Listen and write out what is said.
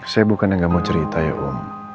saya bukan yang gak mau cerita ya om